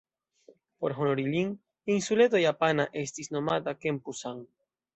Por honori lin, insuleto japana estis nomata Kempu-san.